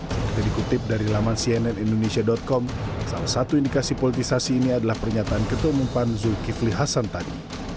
seperti dikutip dari laman cnnindonesia com salah satu indikasi politisasi ini adalah pernyataan ketua umum pan zulkifli hasan tadi